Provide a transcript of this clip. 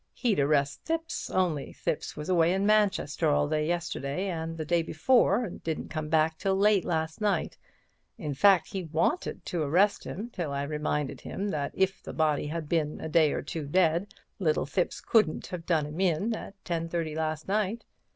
He'd arrest Thipps, only Thipps was away in Manchester all yesterday and the day before and didn't come back till late last night—in fact, he wanted to arrest him till I reminded him that if the body had been a day or two dead, little Thipps couldn't have done him in at 10:30 last night.